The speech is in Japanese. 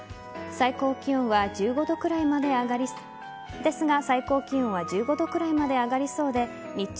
最高気温は１５度くらいですが最高気温は１５度くらいまで上がりそうです。